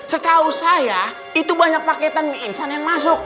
setahu saya itu banyak paketan mie instan yang masuk